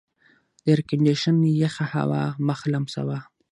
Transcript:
د ایرکنډېشن یخه هوا مخ لمساوه.